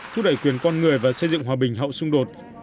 thúc đẩy quyền con người và xây dựng hòa bình hậu xung đột